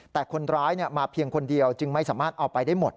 แต่คนร้ายมาเพียงคนเดียวจึงไม่สามารถเอาไปได้หมด